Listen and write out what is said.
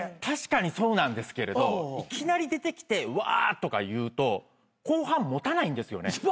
確かにそうなんですけれどいきなり出てきてわーっ！とか言うと後半持たないんですよね。